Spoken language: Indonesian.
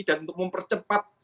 dan untuk mempercepat reformasi